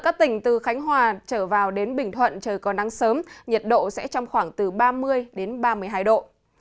các tỉnh từ khánh hòa trở vào đến bình thuận trời còn nắng sớm nhiệt độ sẽ trong khoảng từ ba mươi ba mươi hai độ